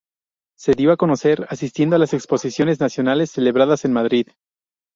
Se dio a conocer asistiendo a las Exposiciones Nacionales celebradas en Madrid.